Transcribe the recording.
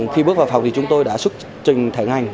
khi bước vào phòng thì chúng tôi đã xuất trình thể ngành